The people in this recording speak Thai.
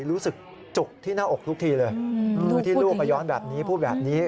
รู้สึกจุกที่หน้าอกทุกทีเลยที่ลูกมาย้อนแบบนี้พูดแบบนี้